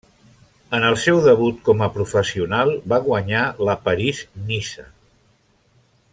En el seu debut com a professional va guanyar la París-Niça.